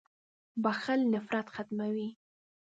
• بخښل نفرت ختموي.